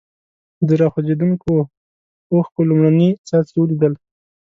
د را خوځېدونکو اوښکو لومړني څاڅکي ولیدل.